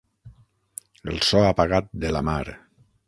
El so apagat de la mar.